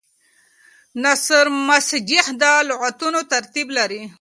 نثر مسجع د لغتونو ترتیب لري.